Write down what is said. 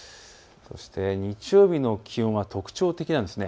日曜日の気温は特徴的なんです。